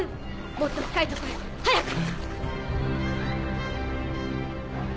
もっと深いとこへ早く！